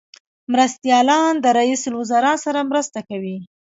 مرستیالان د رئیس الوزرا سره مرسته کوي